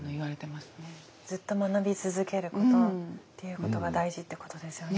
ずっと学び続けることっていうことが大事ってことですよね。